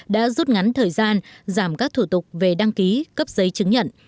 đã rút ngắn thời gian giảm các thủ tục về đăng ký cấp giấy chứng nhận